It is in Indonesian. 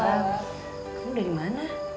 kamu dari mana